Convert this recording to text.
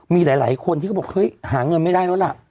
มีหลายคนที่บอกเห้ยหาเงินไม่ได้นั่นล่ะ